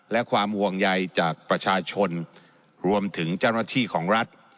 และความห่วงใยจากประชาชนรวมถึงเจ้าหน้าที่ของรัฐ